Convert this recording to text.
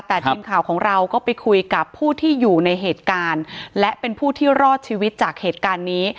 แต่ทีมข่าวของเราก็ไปคุยกับผู้ที่อยู่ในเหตุการณ์และเป็นผู้ที่รอดชีวิตจากเหตุการณ์นี้